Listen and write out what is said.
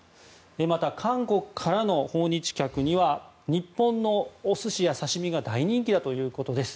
また、韓国からの訪日客には日本のお寿司や刺し身が大人気だということです。